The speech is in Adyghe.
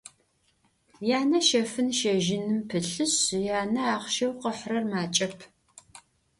Yane şefın - şejınım pılhışs, yaune axhşeu khiherer maç'ep.